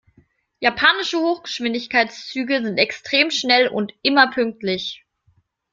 Japanische Hochgeschwindigkeitszüge sind extrem schnell und immer pünktlich.